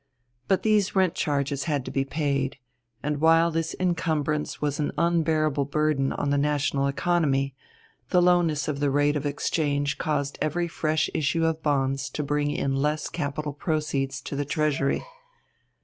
But these rent charges had to be paid; and while this incumbrance was an unbearable burden on the national economy, the lowness of the rate of exchange caused every fresh issue of bonds to bring in less capital proceeds to the Treasury.